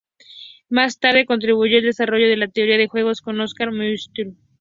Más tarde, contribuyó al desarrollo de la teoría de juegos con Oskar Morgenstern.